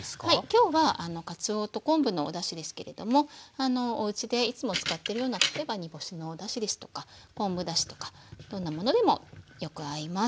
今日はかつおと昆布のおだしですけれどもおうちでいつも使ってるような例えば煮干しのおだしですとか昆布だしとかどんなものでもよく合います。